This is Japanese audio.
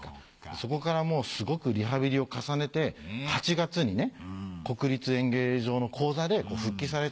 そこからすごくリハビリを重ねて８月にね国立演芸場の高座で復帰された。